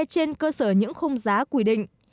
trên cơ sở những không giá quy định